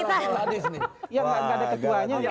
ya gak ada ketuanya